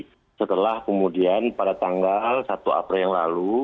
jadi setelah kemudian pada tanggal satu april